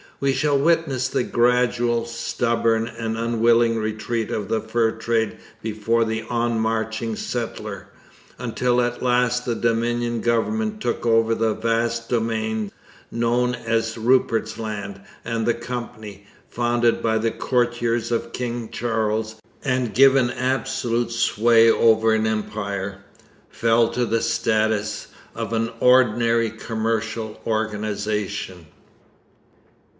We shall witness the gradual, stubborn, and unwilling retreat of the fur trade before the onmarching settler, until at last the Dominion government took over the vast domain known as Rupert's Land, and the Company, founded by the courtiers of King Charles and given absolute sway over an empire, fell to the status of an ordinary commercial organization.